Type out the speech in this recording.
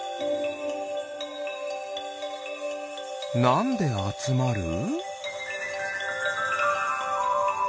なんであつまる？